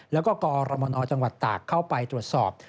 แล้วก็กอรมนจังหวัดตากเข้าไปตรวจสอบ